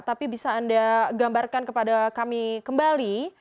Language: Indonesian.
tapi bisa anda gambarkan kepada kami kembali